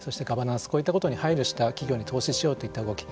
こういったことに配慮した企業に投資しようといった動き。